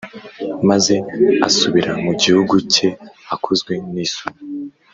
maze asubira mu gihugu cye akozwe n isoni